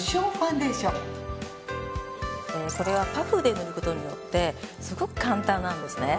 これはパフで塗ることによってすごく簡単なんですね。